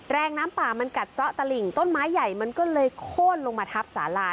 แรงน้ำป่ามันกัดซ่อตะหลิ่งต้นไม้ใหญ่มันก็เลยโค้นลงมาทับสาลา